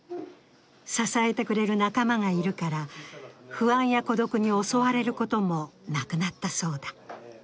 支えてくれる仲間がいるから、不安や孤独に襲われることもなくなったそうだ。